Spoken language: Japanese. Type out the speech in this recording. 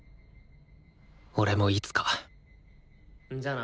俺もいつかじゃあな。